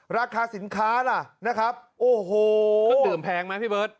ราคาสินค้านะนะครับโอ้โหเดิมแพงไหมพี่เบิร์ด